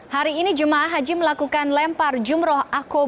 hari ini jemaah haji melakukan lempar jumroh